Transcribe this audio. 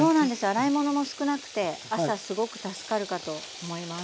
洗い物も少なくて朝すごく助かるかと思います。